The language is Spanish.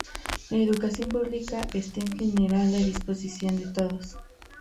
La educación pública está, en general, a disposición de todos.